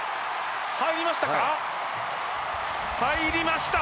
入りました。